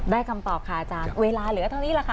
คำตอบค่ะอาจารย์เวลาเหลือเท่านี้แหละค่ะ